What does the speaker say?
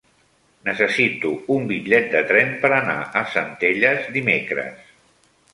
Necessito un bitllet de tren per anar a Centelles dimecres.